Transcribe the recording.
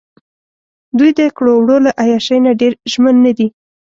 دوۍ دکړو وړو له عیاشۍ نه ډېر ژمن نه دي.